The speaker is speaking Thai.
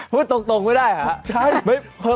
พูดตรงไม่ได้เหรอ